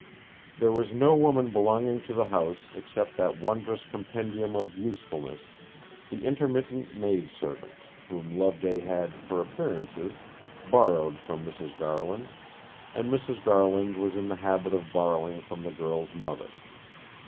There was no woman belonging to the house except that wondrous compendium of usefulness, the intermittent maid servant, whom Loveday had, for appearances, borrowed from Mrs. Garland, and Mrs. Garland was in the habit of borrowing from the girl's mother.